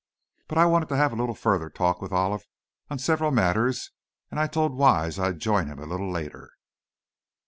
But I wanted to have a little further talk with Olive on several matters and I told Wise I'd join him a little later.